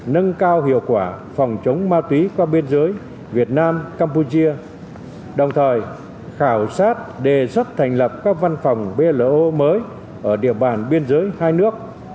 nâng cao hiệu quả phòng chống ma túy qua biên giới việt nam campuchia đồng thời khảo sát đề xuất thành lập các văn phòng bloo mới ở địa bàn biên giới hai nước